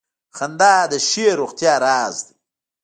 • خندا د ښې روغتیا راز دی.